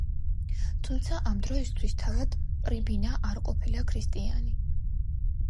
თუმცა ამ დროისთვის თავად პრიბინა არ ყოფილა ქრისტიანი.